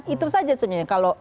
itu saja sebenarnya